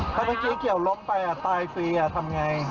ถ้าเมื่อกี้เกี่ยวล้มไปตายฟรีทำไง